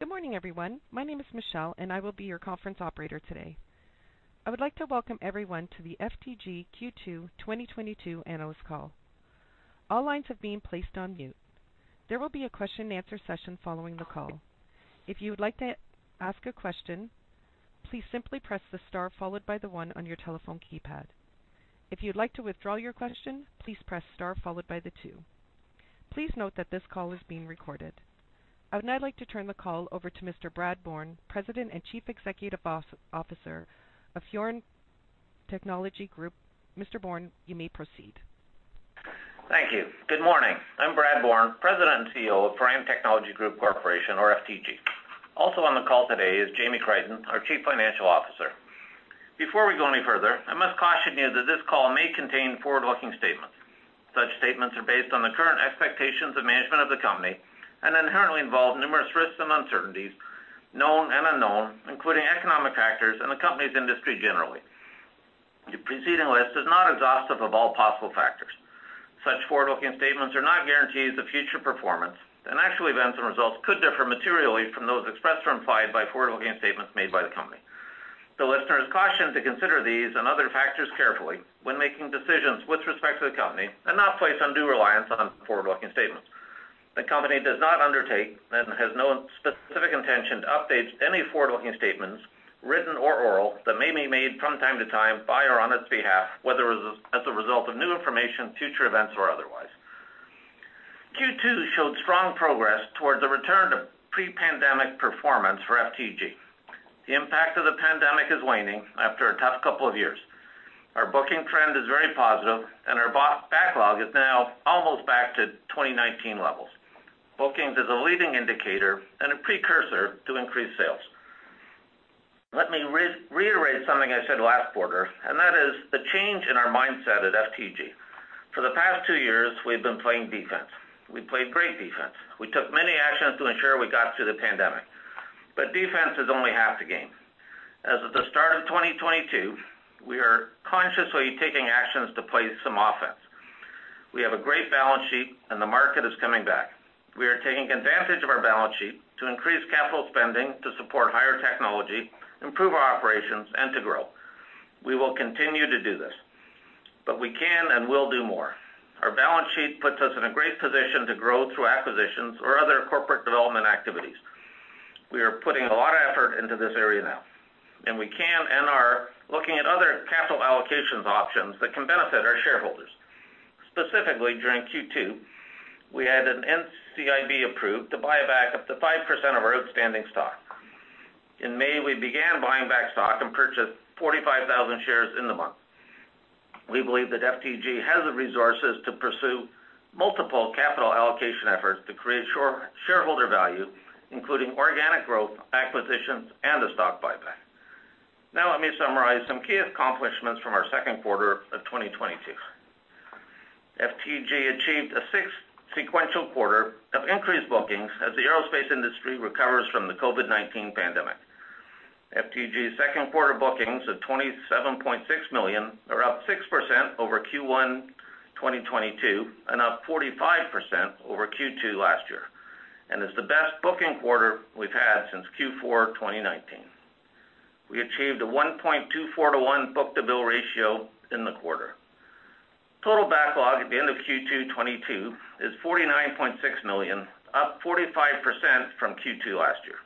Good morning, everyone. My name is Michelle, and I will be your conference operator today. I would like to welcome everyone to the FTG Q2 2022 analyst call. All lines have been placed on mute. There will be a question-and-answer session following the call. If you would like to ask a question, please simply press the star followed by the one on your telephone keypad. If you'd like to withdraw your question, please press star followed by the two. Please note that this call is being recorded. I would now like to turn the call over to Mr. Brad Bourne, President and Chief Executive Officer of Firan Technology Group. Mr. Bourne, you may proceed. Thank you. Good morning. I'm Brad Bourne, President and CEO of Firan Technology Group Corporation, or FTG. Also on the call today is Jamie Crichton, our Chief Financial Officer. Before we go any further, I must caution you that this call may contain forward-looking statements. Such statements are based on the current expectations of management of the company, and inherently involve numerous risks and uncertainties, known and unknown, including economic factors and the company's industry generally. The preceding list is not exhaustive of all possible factors. Such forward-looking statements are not guarantees of future performance, and actual events and results could differ materially from those expressed or implied by forward-looking statements made by the company. Listeners cautioned to consider these and other factors carefully when making decisions with respect to the company and not place undue reliance on forward-looking statements. The company does not undertake and has no specific intention to update any forward-looking statements, written or oral, that may be made from time to time by or on its behalf, whether as a result of new information, future events or otherwise. Q2 showed strong progress towards a return to pre-pandemic performance for FTG. The impact of the pandemic is waning after a tough couple of years. Our booking trend is very positive, and our backlog is now almost back to 2019 levels. Booking is a leading indicator and a precursor to increased sales. Let me reiterate something I said last quarter, and that is the change in our mindset at FTG. For the past two years, we've been playing defense. We played great defense. We took many actions to ensure we got through the pandemic. Defense is only half the game. As of the start of 2022, we are consciously taking actions to play some offense. We have a great balance sheet and the market is coming back. We are taking advantage of our balance sheet to increase capital spending to support higher technology, improve our operations, and to grow. We will continue to do this, but we can and will do more. Our balance sheet puts us in a great position to grow through acquisitions or other corporate development activities. We are putting a lot of effort into this area now, and we can and are looking at other capital allocation options that can benefit our shareholders. Specifically, during Q2, we had an NCIB-approved to buy back up to 5% of our outstanding stock. In May, we began buying back stock and purchased 45,000 shares in the month. We believe that FTG has the resources to pursue multiple capital allocation efforts to create shareholder value, including organic growth, acquisitions, and a stock buyback. Now let me summarize some key accomplishments from our second quarter of 2022. FTG achieved six sequential quarters of increased bookings as the aerospace industry recovers from the COVID-19 pandemic. FTG's second quarter bookings of 27.6 million are up 6% over Q1 2022 and up 45% over Q2 last year and is the best booking quarter we've had since Q4 2019. We achieved a 1.24:1 book-to-bill ratio in the quarter. Total backlog at the end of Q2 2022 is 49.6 million, up 45% from Q2 last year.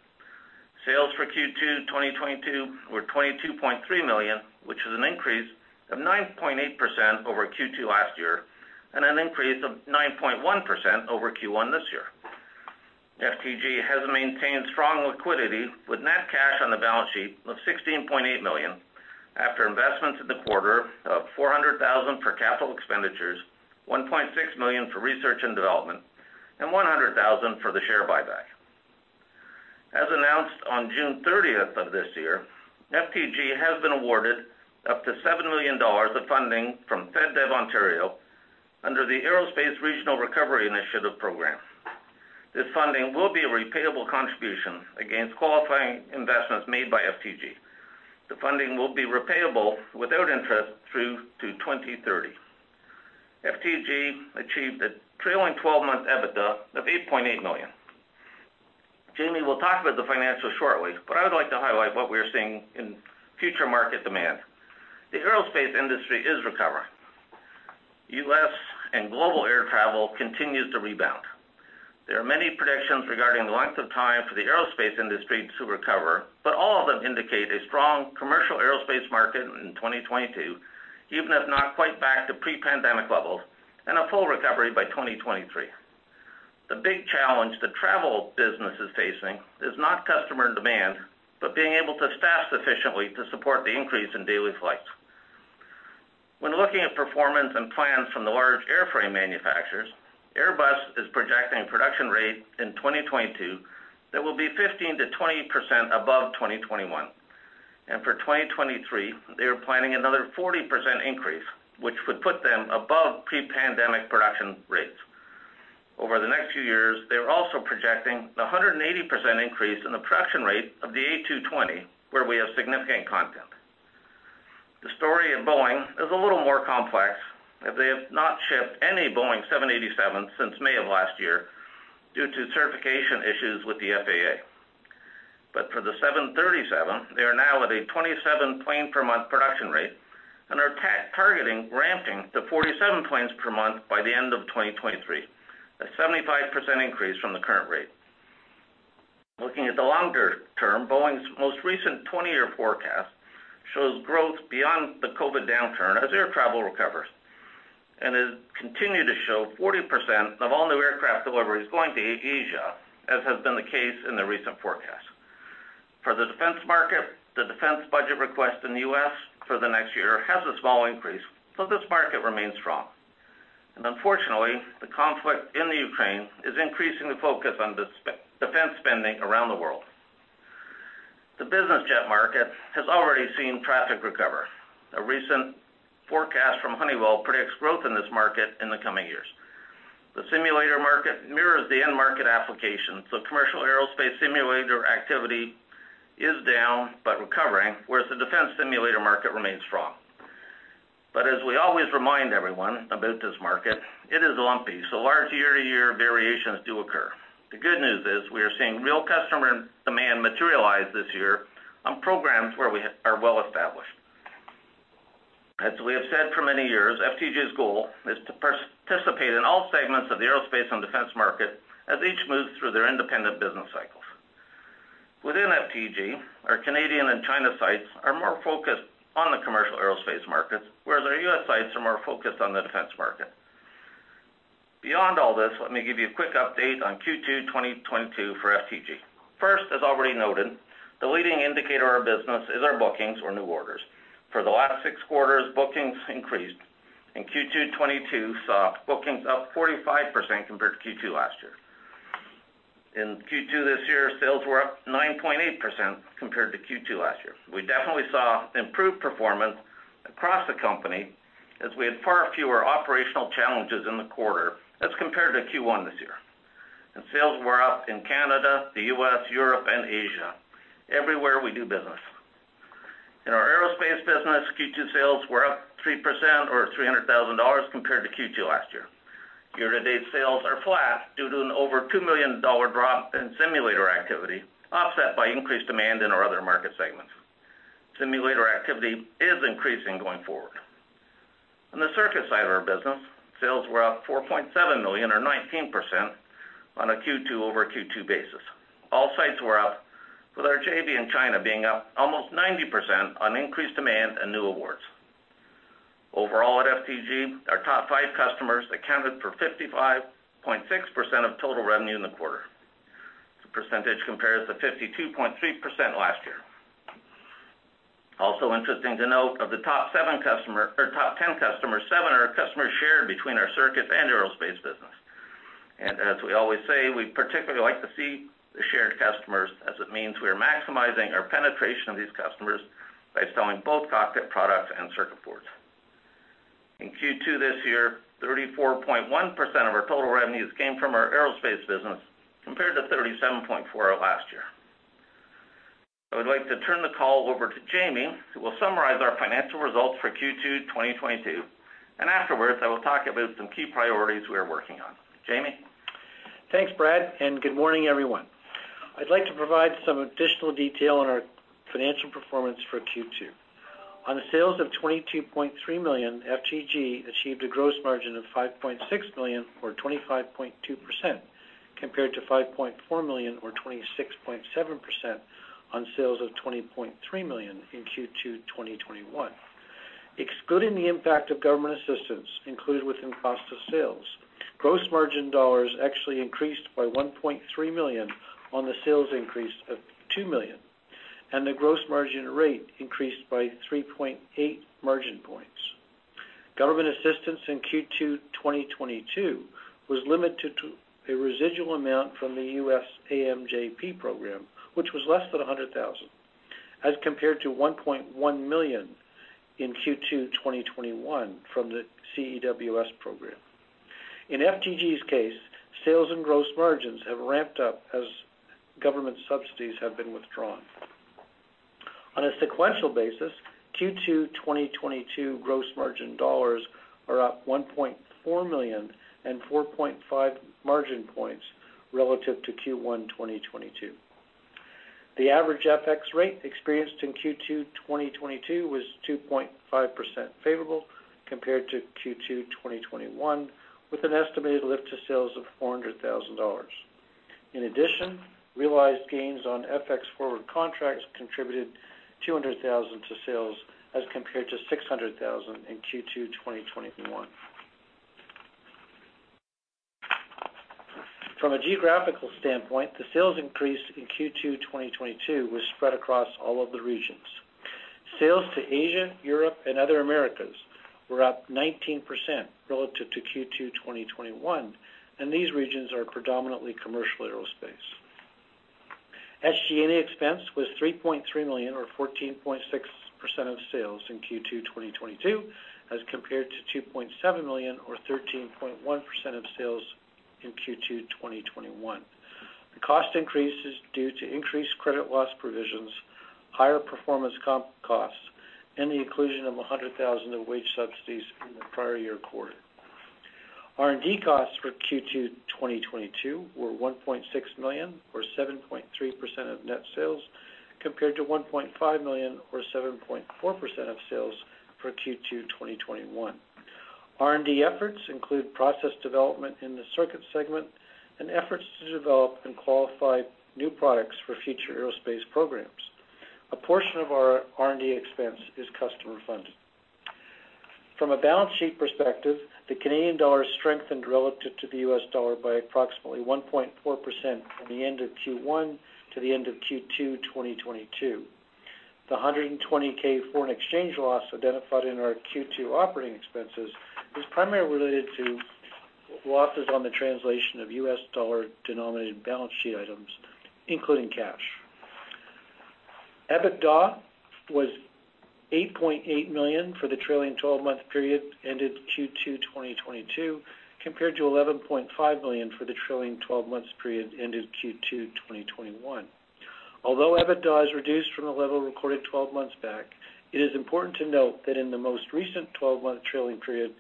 Sales for Q2 2022 were 22.3 million, which is an increase of 9.8% over Q2 last year and an increase of 9.1% over Q1 this year. FTG has maintained strong liquidity with net cash on the balance sheet of 16.8 million after investments in the quarter of 400,000 for capital expenditures, 1.6 million for research and development, and 100,000 for the share buyback. As announced on June 30th of this year, FTG has been awarded up to 7 million dollars of funding from FedDev Ontario under the Aerospace Regional Recovery Initiative program. This funding will be a repayable contribution against qualifying investments made by FTG. The funding will be repayable without interest through to 2030. FTG achieved a trailing 12-month EBITDA of 8.8 million. Jamie will talk about the financials shortly, but I would like to highlight what we are seeing in future market demand. The aerospace industry is recovering. U.S. and global air travel continues to rebound. There are many predictions regarding the length of time for the aerospace industry to recover, but all of them indicate a strong commercial aerospace market in 2022, even if not quite back to pre-pandemic levels and a full recovery by 2023. The big challenge the travel business is facing is not customer demand, but being able to staff sufficiently to support the increase in daily flights. When looking at performance and plans from the large airframe manufacturers, Airbus is projecting a production rate in 2022 that will be 15%-20% above 2021. For 2023, they are planning another 40% increase, which would put them above pre-pandemic production rates. Over the next few years, they are also projecting a 180% increase in the production rate of the A220, where we have significant content. The story at Boeing is a little more complex, as they have not shipped any Boeing 787 since May of last year due to certification issues with the FAA. For the 737, they are now at a 27-plane per month production rate and are targeting ramping to 47 planes per month by the end of 2023. A 75% increase from the current rate. Looking at the longer term, Boeing's most recent 20-year forecast shows growth beyond the COVID downturn as air travel recovers, and it continued to show 40% of all new aircraft deliveries going to Asia, as has been the case in the recent forecast. For the defense market, the defense budget request in the U.S. for the next year has a small increase, so this market remains strong. Unfortunately, the conflict in the Ukraine is increasing the focus on defense spending around the world. The business jet market has already seen traffic recover. A recent forecast from Honeywell predicts growth in this market in the coming years. The simulator market mirrors the end market application, so commercial aerospace simulator activity is down but recovering, whereas the defense simulator market remains strong. As we always remind everyone about this market, it is lumpy, so large year-to-year variations do occur. The good news is we are seeing real customer demand materialize this year on programs where we are well-established. As we have said for many years, FTG's goal is to participate in all segments of the aerospace and defense market as each moves through their independent business cycles. Within FTG, our Canadian and China sites are more focused on the commercial aerospace markets, whereas our U.S. sites are more focused on the defense market. Beyond all this, let me give you a quick update on Q2 2022 for FTG. First, as already noted, the leading indicator of business is our bookings or new orders. For the last six quarters, bookings increased, and Q2 2022 saw bookings up 45% compared to Q2 last year. In Q2 this year, sales were up 9.8% compared to Q2 last year. We definitely saw improved performance across the company as we had far fewer operational challenges in the quarter as compared to Q1 this year. Sales were up in Canada, the U.S., Europe and Asia, everywhere we do business. In our aerospace business, Q2 sales were up 3% or 300,000 dollars compared to Q2 last year. Year-to-date sales are flat due to an over 2 million dollar drop in simulator activity, offset by increased demand in our other market segments. Simulator activity is increasing going forward. On the circuit side of our business, sales were up 4.7 million or 19% on a Q2-over-Q2 basis. All sites were up, with our JV in China being up almost 90% on increased demand and new awards. Overall at FTG, our top five customers accounted for 55.6% of total revenue in the quarter. The percentage compares to 52.3% last year. Also interesting to note, of the top seven or top 10 customers, seven are customers shared between our circuits and aerospace business. We always say, we particularly like to see the shared customers as it means we are maximizing our penetration of these customers by selling both cockpit products and circuit boards. In Q2 this year, 34.1% of our total revenues came from our aerospace business, compared to 37.4% last year. I would like to turn the call over to Jamie, who will summarize our financial results for Q2 2022, and afterwards, I will talk about some key priorities we are working on. Jamie. Thanks, Brad, and good morning, everyone. I'd like to provide some additional detail on our financial performance for Q2. On the sales of 22.3 million, FTG achieved a gross margin of 5.6 million or 25.2%, compared to 5.4 million or 26.7% on sales of 20.3 million in Q2 2021. Excluding the impact of government assistance included within cost of sales, gross margin dollars actually increased by 1.3 million on the sales increase of 2 million, and the gross margin rate increased by 3.8 margin points. Government assistance in Q2 2022 was limited to a residual amount from the U.S. AMJP program, which was less than 100,000, as compared to 1.1 million in Q2 2021 from the CEWS program. In FTG's case, sales and gross margins have ramped up as government subsidies have been withdrawn. On a sequential basis, Q2 2022 gross margin dollars are up 1.4 million and 4.5 margin points relative to Q1 2022. The average FX rate experienced in Q2 2022 was 2.5% favorable compared to Q2 2021, with an estimated lift to sales of 400,000 dollars. In addition, realized gains on FX forward contracts contributed 200,000 to sales as compared to 600,000 in Q2 2021. From a geographical standpoint, the sales increase in Q2 2022 was spread across all of the regions. Sales to Asia, Europe, and other Americas were up 19% relative to Q2 2021, and these regions are predominantly commercial aerospace. SG&A expense was 3.3 million or 14.6% of sales in Q2 2022, as compared to 2.7 million or 13.1% of sales in Q2 2021. The cost increase is due to increased credit loss provisions, higher performance comp costs, and the inclusion of 100,000 of wage subsidies in the prior year quarter. R&D costs for Q2 2022 were 1.6 million, or 7.3% of net sales, compared to 1.5 million, or 7.4% of sales for Q2 2021. R&D efforts include process development in the Circuit segment and efforts to develop and qualify new products for future aerospace programs. A portion of our R&D expense is customer-funded. From a balance sheet perspective, the Canadian dollar strengthened relative to the U.S. dollar by approximately 1.4% from the end of Q1 to the end of Q2 2022. The 120,000 foreign exchange loss identified in our Q2 operating expenses was primarily related to losses on the translation of U.S. dollar-denominated balance sheet items, including cash. EBITDA was 8.8 million for the trailing 12-month period ended Q2 2022, compared to 11.5 million for the trailing 12-month period ended Q2 2021. Although EBITDA is reduced from the level recorded 12-months back, it is important to note that in the most recent 12-month trailing period,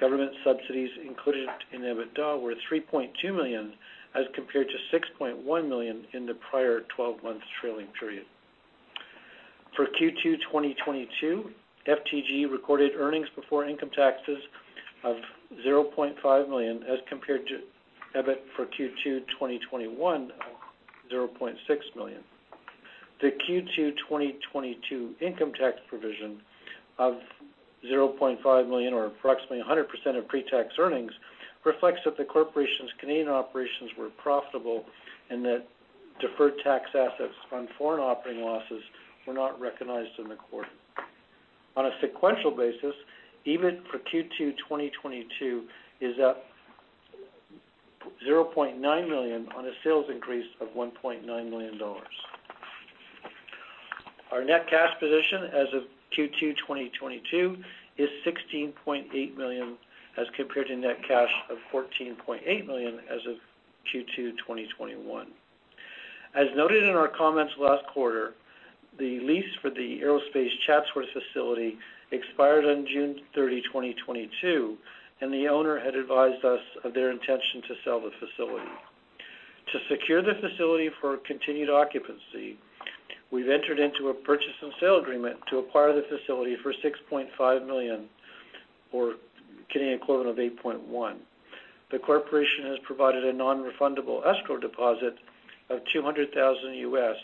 government subsidies included in EBITDA were 3.2 million, as compared to 6.1 million in the prior 12-month trailing period. For Q2 2022, FTG recorded earnings before income taxes of 0.5 million as compared to EBIT for Q2 2021 of 0.6 million. The Q2 2022 income tax provision of 0.5 million, or approximately 100% of pre-tax earnings, reflects that the corporation's Canadian operations were profitable and that deferred tax assets on foreign operating losses were not recognized in the quarter. On a sequential basis, EBIT for Q2 2022 is at 0.9 million on a sales increase of 1.9 million dollars. Our net cash position as of Q2 2022 is 16.8 million, as compared to net cash of 14.8 million as of Q2 2021. As noted in our comments last quarter, the lease for the aerospace Chatsworth facility expired on June 30, 2022, and the owner had advised us of their intention to sell the facility. To secure the facility for continued occupancy, we've entered into a purchase and sale agreement to acquire the facility for $6.5 million, or 8.1 million. The corporation has provided a non-refundable escrow deposit of $200,000,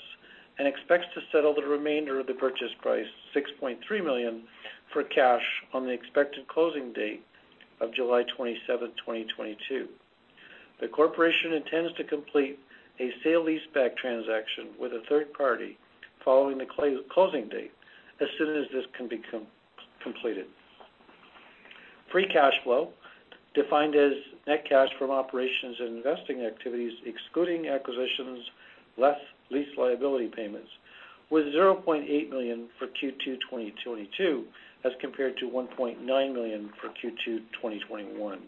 and expects to settle the remainder of the purchase price, $6.3 million, for cash on the expected closing date of July 27th, 2022. The corporation intends to complete a sale leaseback transaction with a third party following the closing date as soon as this can be completed. Free cash flow, defined as net cash from operations and investing activities excluding acquisitions, less lease liability payments, was 0.8 million for Q2 2022 as compared to 1.9 million for Q2 2021.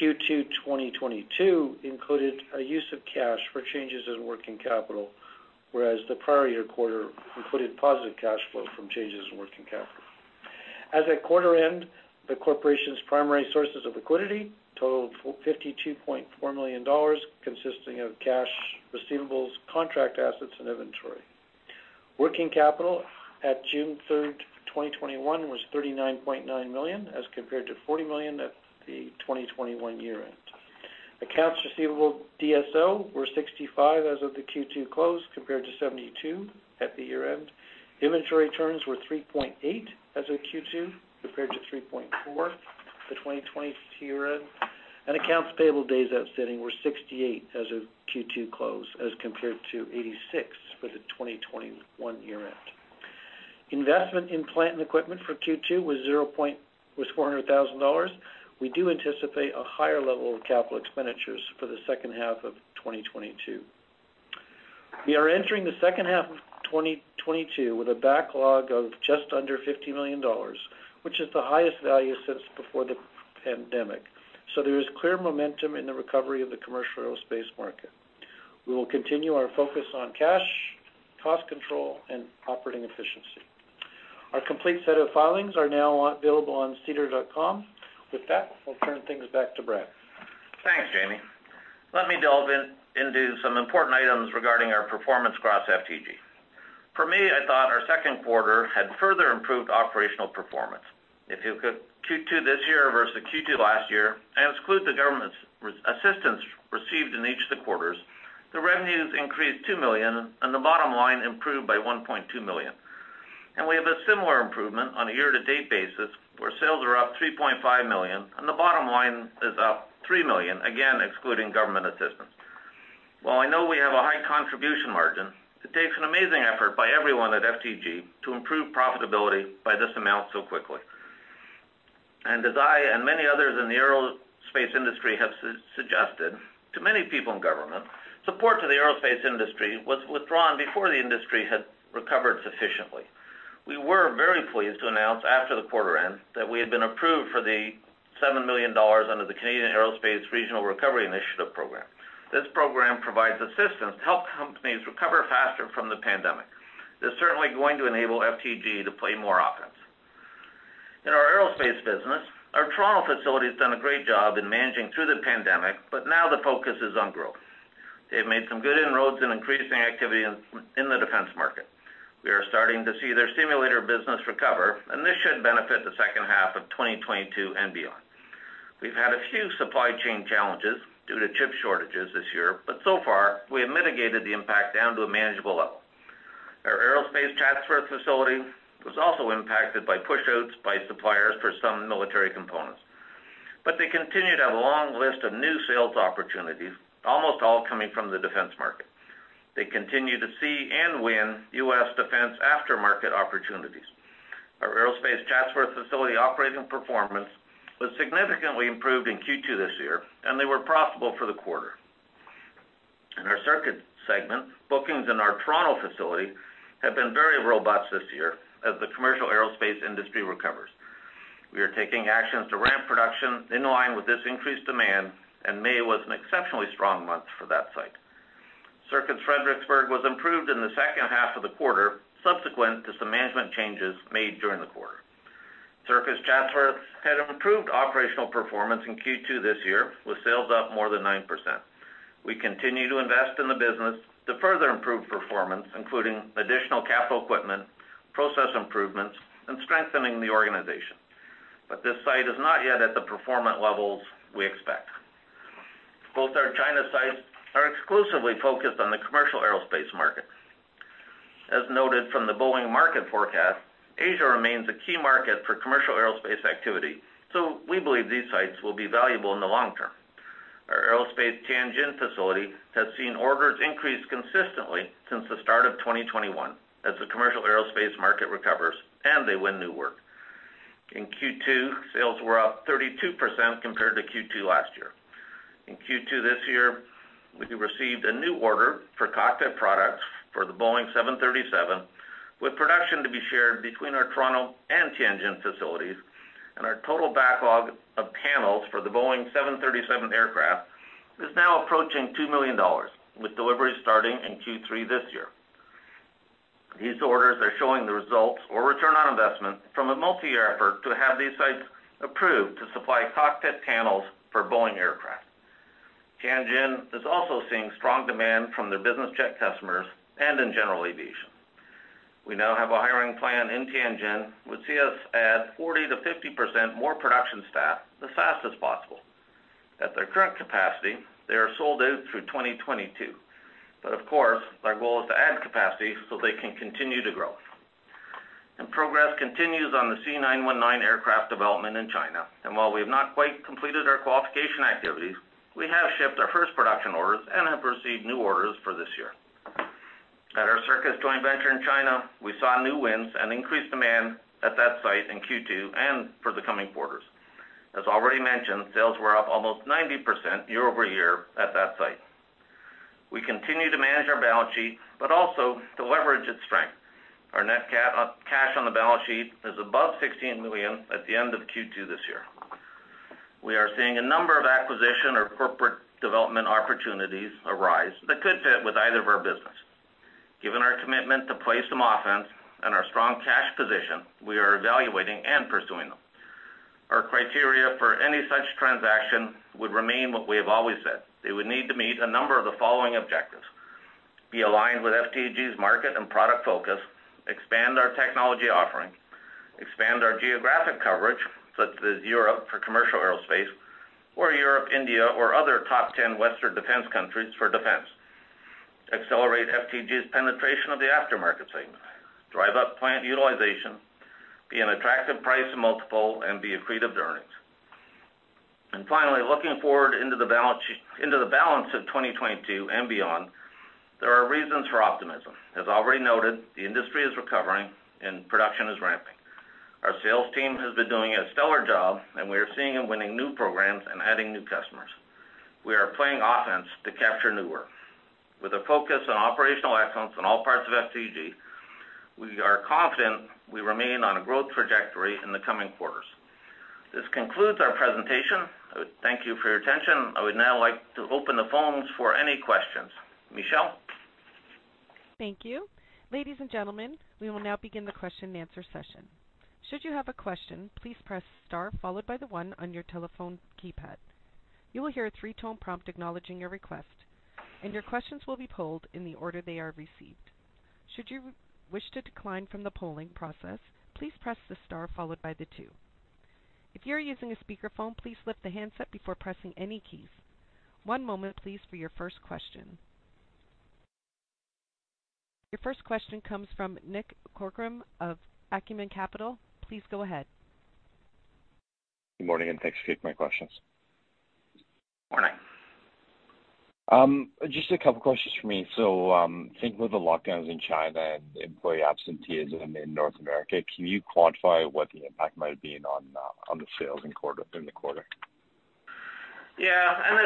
Q2 2022 included a use of cash for changes in working capital, whereas the prior year quarter included positive cash flow from changes in working capital. As at quarter end, the corporation's primary sources of liquidity totaled 52.4 million dollars, consisting of cash receivables, contract assets, and inventory. Working capital at June 3rd, 2021 was 39.9 million, as compared to 40 million at the 2021 year end. Accounts receivable DSO were 65 as of the Q2 close, compared to 72 at the year end. Inventory turns were 3.8 as of Q2, compared to 3.4 for 2020 year end. Accounts payable days outstanding were 68 as of Q2 close, as compared to 86 for the 2021 year end. Investment in plant and equipment for Q2 was 400,000 dollars. We do anticipate a higher level of capital expenditures for the second half of 2022. We are entering the second half of 2022 with a backlog of just under 50 million dollars, which is the highest value since before the pandemic. There is clear momentum in the recovery of the commercial aerospace market. We will continue our focus on cash, cost control, and operating efficiency. Our complete set of filings are now available on sedar.com. With that, I'll turn things back to Brad. Thanks, Jamie. Let me delve in, into some important items regarding our performance across FTG. For me, I thought our second quarter had further improved operational performance. If you look at Q2 this year versus Q2 last year and exclude the government's assistance received in each of the quarters, the revenues increased 2 million and the bottom line improved by 1.2 million. We have a similar improvement on a year-to-date basis, where sales are up 3.5 million and the bottom line is up 3 million, again excluding government assistance. While I know we have a high contribution margin, it takes an amazing effort by everyone at FTG to improve profitability by this amount so quickly. As I and many others in the aerospace industry have suggested to many people in government, support to the aerospace industry was withdrawn before the industry had recovered sufficiently. We were very pleased to announce after the quarter end that we had been approved for 7 million dollars under the Aerospace Regional Recovery Initiative program. This program provides assistance to help companies recover faster from the pandemic. They're certainly going to enable FTG to play more offense. In our aerospace business, our Toronto facility has done a great job in managing through the pandemic, but now the focus is on growth. They've made some good inroads in increasing activity in the defense market. We are starting to see their simulator business recover, and this should benefit the second half of 2022 and beyond. We've had a few supply chain challenges due to chip shortages this year, but so far, we have mitigated the impact down to a manageable level. Our aerospace Chatsworth facility was also impacted by pushouts by suppliers for some military components. They continue to have a long list of new sales opportunities, almost all coming from the defense market. They continue to see and win U.S. defense aftermarket opportunities. Our aerospace Chatsworth facility operating performance was significantly improved in Q2 this year, and they were profitable for the quarter. In our Circuits segment, bookings in our Toronto facility have been very robust this year as the commercial aerospace industry recovers. We are taking actions to ramp production in line with this increased demand, and May was an exceptionally strong month for that site. Circuits Fredericksburg was improved in the second half of the quarter subsequent to some management changes made during the quarter. Circuits Chatsworth had improved operational performance in Q2 this year, with sales up more than 9%. We continue to invest in the business to further improve performance, including additional capital equipment, process improvements, and strengthening the organization. This site is not yet at the performance levels we expect. Both our China sites are exclusively focused on the commercial aerospace market. As noted from the Boeing market forecast, Asia remains a key market for commercial aerospace activity, so we believe these sites will be valuable in the long term. Our aerospace Tianjin facility has seen orders increase consistently since the start of 2021 as the commercial aerospace market recovers and they win new work. In Q2, sales were up 32% compared to Q2 last year. In Q2 this year, we received a new order for cockpit products for the Boeing 737, with production to be shared between our Toronto and Tianjin facilities, and our total backlog of panels for the Boeing 737 aircraft is now approaching 2 million dollars, with deliveries starting in Q3 this year. These orders are showing the results of return on investment from a multi-year effort to have these sites approved to supply cockpit panels for Boeing aircraft. Tianjin is also seeing strong demand from their business jet customers and in general aviation. We now have a hiring plan in Tianjin, which sees us add 40%-50% more production staff as fast as possible. At their current capacity, they are sold out through 2022. Of course, our goal is to add capacity so they can continue to grow. Progress continues on the C919 aircraft development in China. While we have not quite completed our qualification activities, we have shipped our first production orders and have received new orders for this year. At our Circuits joint venture in China, we saw new wins and increased demand at that site in Q2 and for the coming quarters. As already mentioned, sales were up almost 90% year-over-year at that site. We continue to manage our balance sheet, but also to leverage its strength. Our net cash on the balance sheet is above 16 million at the end of Q2 this year. We are seeing a number of acquisition or corporate development opportunities arise that could fit with either of our business. Given our commitment to play some offense and our strong cash position, we are evaluating and pursuing them. Our criteria for any such transaction would remain what we have always said. They would need to meet a number of the following objectives. Be aligned with FTG's market and product focus, expand our technology offering, expand our geographic coverage, such as Europe for commercial aerospace or Europe, India or other top 10 Western defense countries for defense, accelerate FTG's penetration of the aftermarket segment, drive up plant utilization, be an attractive price multiple, and be accretive to earnings. Finally, looking forward into the balance of 2022 and beyond, there are reasons for optimism. As already noted, the industry is recovering and production is ramping. Our sales team has been doing a stellar job, and we are seeing them winning new programs and adding new customers. We are playing offense to capture new work. With a focus on operational excellence in all parts of FTG, we are confident we remain on a growth trajectory in the coming quarters. This concludes our presentation. I thank you for your attention. I would now like to open the phones for any questions. Michelle? Thank you. Ladies and gentlemen, we will now begin the question-and-answer session. Should you have a question, please press star followed by the one on your telephone keypad. You will hear a three-tone prompt acknowledging your request, and your questions will be polled in the order they are received. Should you wish to decline from the polling process, please press the star followed by the two. If you are using a speakerphone, please lift the handset before pressing any keys. One moment please for your first question. Your first question comes from Nick Corcoran of Acumen Capital. Please go ahead. Good morning, and thanks for taking my questions. Morning. Just a couple questions for me. I think with the lockdowns in China and employee absenteeism in North America, can you quantify what the impact might be on the sales in the quarter? Yeah.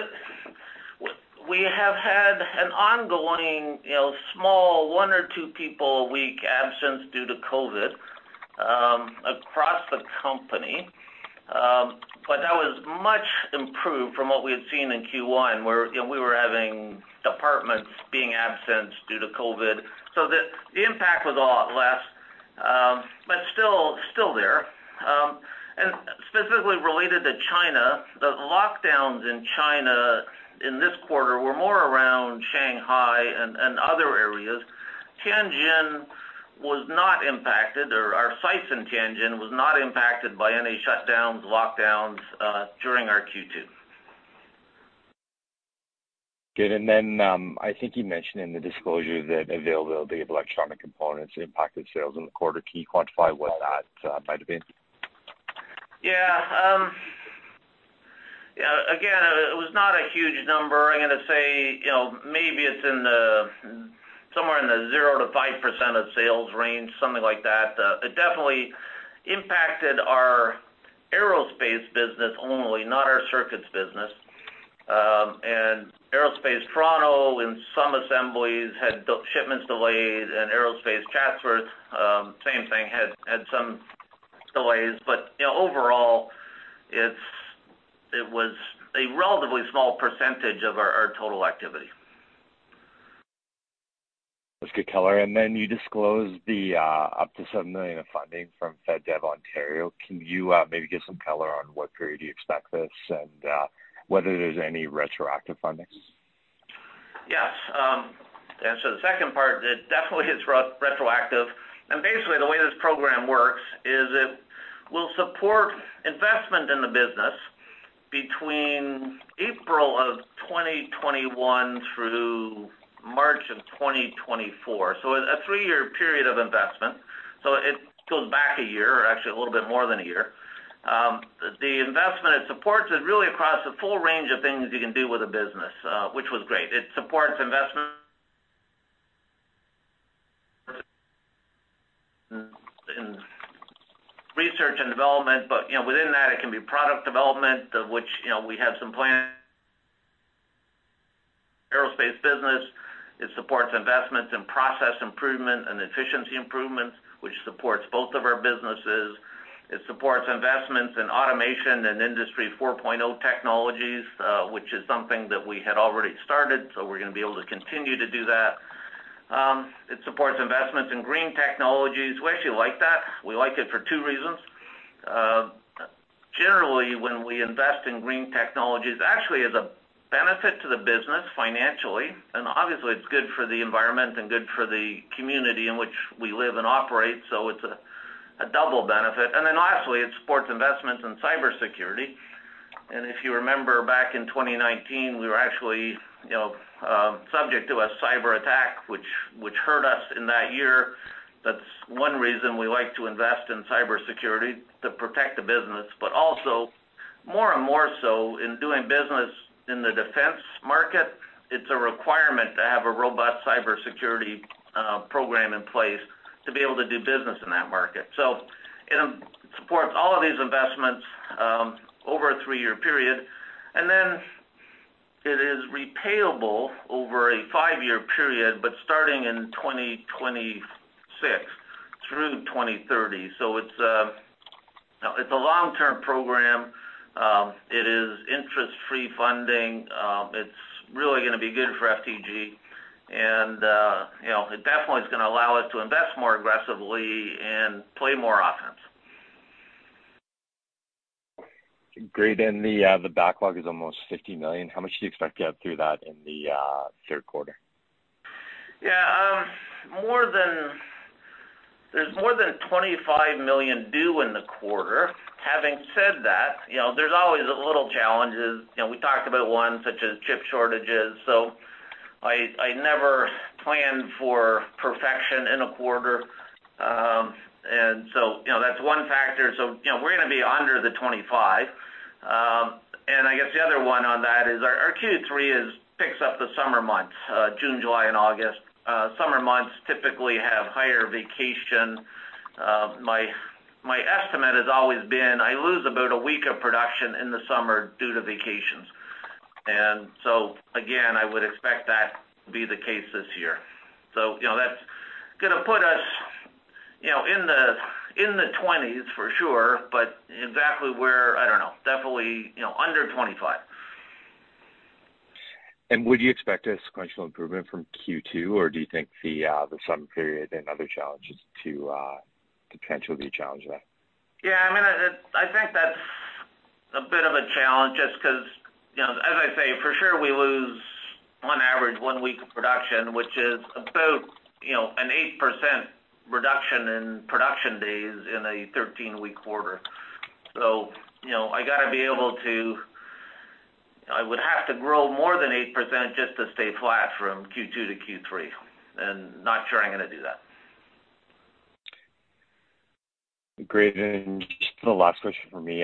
We have had an ongoing, you know, small one or two people a week absence due to COVID across the company. That was much improved from what we had seen in Q1, where, you know, we were having departments being absent due to COVID. The impact was a lot less, but still there. Specifically related to China, the lockdowns in China in this quarter were more around Shanghai and other areas. Tianjin was not impacted, or our sites in Tianjin was not impacted by any shutdowns, lockdowns during our Q2. Good. I think you mentioned in the disclosure that availability of electronic components impacted sales in the quarter. Can you quantify what that might have been? Yeah. Again, it was not a huge number. I'm gonna say, you know, maybe it's in the somewhere in the 0%-5% of sales range, something like that. It definitely impacted our aerospace business only, not our circuits business. Aerospace Toronto in some assemblies had shipments delayed, and Aerospace Chatsworth same thing, had some delays. You know, overall, it was a relatively small percentage of our total activity. That's good color. You disclosed the up to 7 million of funding from FedDev Ontario. Can you maybe give some color on what period you expect this, and whether there's any retroactive fundings? Yes. To answer the second part, it definitely is retroactive. Basically, the way this program works is it will support investment in the business between April of 2021 through March of 2024, so a three-year period of investment. It goes back a year, or actually a little bit more than a year. The investment it supports is really across a full range of things you can do with a business, which was great. It supports investment in research and development, but, you know, within that, it can be product development, of which, you know, we have some plans aerospace business. It supports investments in process improvement and efficiency improvements, which supports both of our businesses. It supports investments in automation and Industry 4.0 technologies, which is something that we had already started, so we're gonna be able to continue to do that. It supports investments in green technologies. We actually like that. We like it for two reasons. Generally, when we invest in green technologies, actually as a benefit to the business financially, and obviously it's good for the environment and good for the community in which we live and operate, so it's a double benefit. Then lastly, it supports investments in cybersecurity. If you remember back in 2019, we were actually, you know, subject to a cyberattack, which hurt us in that year. That's one reason we like to invest in cybersecurity to protect the business, but also more and more so in doing business in the defense market, it's a requirement to have a robust cybersecurity program in place to be able to do business in that market. It supports all of these investments over a three-year period. It is repayable over a five-year period, but starting in 2026 through 2030. It's a long-term program. It is interest-free funding. It's really gonna be good for FTG. You know, it definitely is gonna allow us to invest more aggressively and play more offense. Great. The backlog is almost 50 million. How much do you expect to have through that in the third quarter? There's more than 25 million due in the quarter. Having said that, you know, there's always the little challenges. You know, we talked about one such as chip shortages. I never plan for perfection in a quarter. You know, that's one factor. You know, we're gonna be under 25 million. I guess the other one on that is our Q3 picks up the summer months, June, July, and August. Summer months typically have higher vacation. My estimate has always been I lose about a week of production in the summer due to vacations. I would expect that to be the case this year. You know, that's gonna put us, you know, in the CAD 20s million for sure. But exactly where, I don't know. Definitely, you know, under 25 million. Would you expect a sequential improvement from Q2, or do you think the summer period and other challenges to potentially be a challenge there? Yeah. I mean, I think that's a bit of a challenge just 'cause, you know, as I say, for sure we lose on average one week of production, which is about, you know, an 8% reduction in production days in a 13-week quarter. You know, I gotta be able to. I would have to grow more than 8% just to stay flat from Q2 to Q3, and not sure I'm gonna do that. Great. Just the last question from me.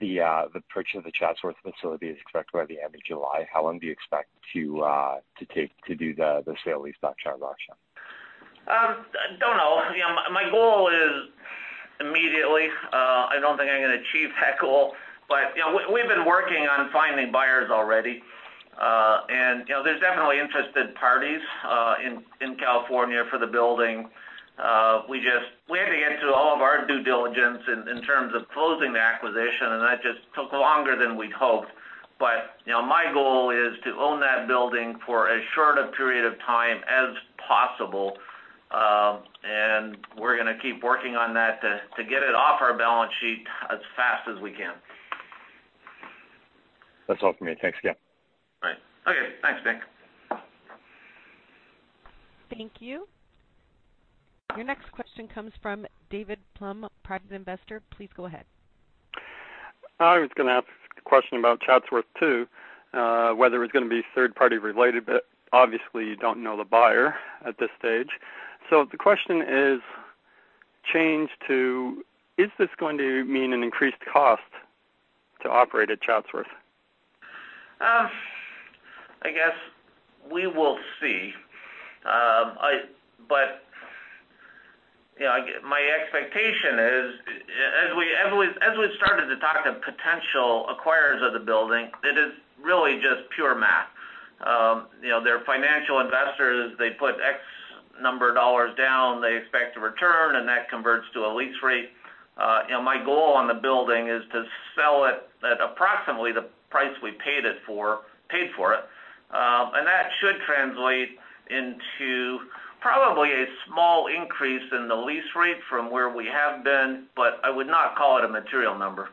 The purchase of the Chatsworth facility is expected by the end of July. How long do you expect to take to do the sale-leaseback transaction? I don't know. You know, my goal is immediately. I don't think I'm gonna achieve that goal. You know, we've been working on finding buyers already. You know, there's definitely interested parties in California for the building. We had to get through all of our due diligence in terms of closing the acquisition, and that just took longer than we'd hoped. You know, my goal is to own that building for as short a period of time as possible. We're gonna keep working on that to get it off our balance sheet as fast as we can. That's all from me. Thanks again. All right. Okay, thanks, Nick. Thank you. Your next question comes from David Plum, Private Investor. Please go ahead. I was gonna ask a question about Chatsworth, too, whether it's gonna be third-party related, but obviously you don't know the buyer at this stage. The question is changed to, is this going to mean an increased cost to operate at Chatsworth? I guess we will see. You know, my expectation is, as we started to talk to potential acquirers of the building, it is really just pure math. You know, they're financial investors. They put X number of dollars down. They expect a return, and that converts to a lease rate. You know, my goal on the building is to sell it at approximately the price we paid for it. That should translate into probably a small increase in the lease rate from where we have been, but I would not call it a material number.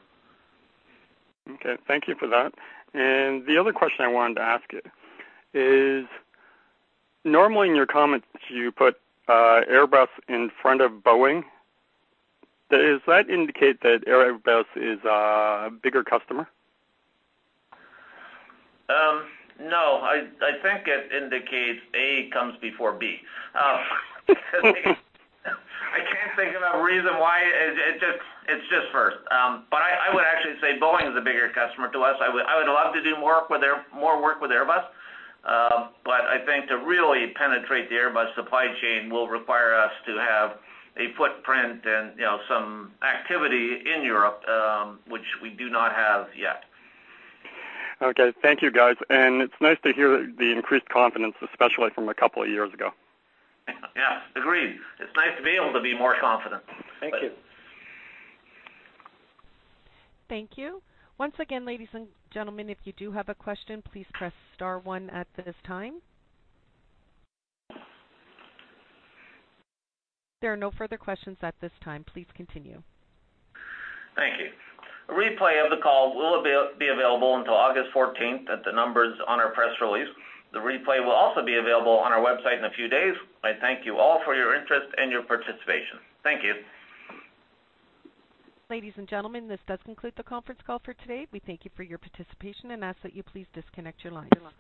Okay, thank you for that. The other question I wanted to ask you is, normally in your comments, you put Airbus in front of Boeing. Does that indicate that Airbus is a bigger customer? No. I think it indicates A comes before B. I can't think of a reason why. It just is first. I would actually say Boeing is a bigger customer to us. I would love to do more work with Airbus. I think to really penetrate the Airbus supply chain will require us to have a footprint and, you know, some activity in Europe, which we do not have yet. Okay. Thank you, guys. It's nice to hear the increased confidence, especially from a couple of years ago. Yeah, agreed. It's nice to be able to be more confident. Thank you. Thank you. Once again, ladies and gentlemen, if you do have a question, please press star one at this time. There are no further questions at this time. Please continue. Thank you. A replay of the call will be available until August fourteenth at the numbers on our press release. The replay will also be available on our website in a few days. I thank you all for your interest and your participation. Thank you. Ladies and gentlemen, this does conclude the conference call for today. We thank you for your participation and ask that you please disconnect your lines.